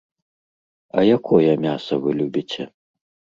А якое мяса вы любіце?